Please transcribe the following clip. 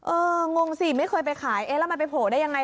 งงสิไม่เคยไปขายเอ๊ะแล้วมันไปโผล่ได้ยังไง